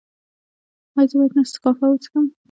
ایا زه باید نسکافه وڅښم؟